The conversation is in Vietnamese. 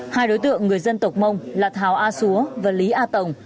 hai đối tượng người dân tộc mông là thảo a xúa và lý a tồng